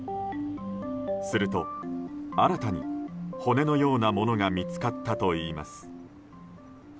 すると、新たに骨のようなものが見つかったといいます。